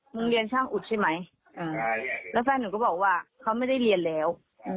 มึงเรียนช่างอุดใช่ไหมแล้วแฟนหนูก็บอกว่าเขาไม่ได้เรียนแล้ว